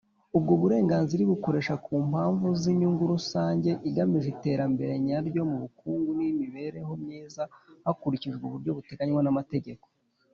ubwo burenganzira ibukoresha ku mpamvu z’inyungu rusange igamije iterambere nyaryo mu by’ubukungu n’imibereho myiza hakurikijwe uburyo buteganywa n’amategeko